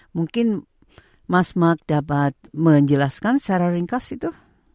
mungkin mas mark dapat menjelaskan secara ringkas itu